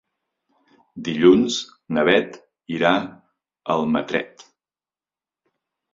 Dilluns na Beth irà a Almatret.